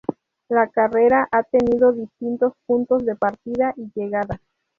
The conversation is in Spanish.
La carrera ha tenido distintos puntos de partida y llegada.